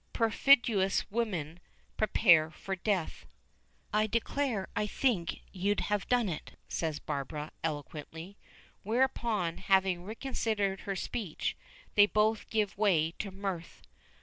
Perfidious woman, prepare for death." "I declare I think you'd have done it," says Barbara, eloquently. Whereupon, having reconsidered her speech, they both give way to mirth.